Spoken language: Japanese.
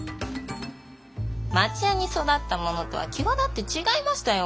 町家に育ったものとは際立って違いましたよ。